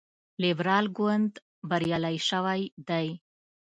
لیبرال ګوند بریالی شوی دی.